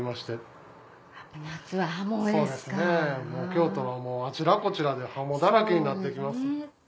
京都はもうあちらこちらで鱧だらけになってきます。